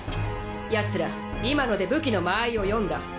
やつら今ので武器の間合いを読んだ。